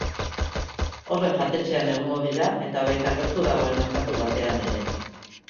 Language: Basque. Horren jatetxean egongo dira, eta baita gertu dagoen merkatu batean ere.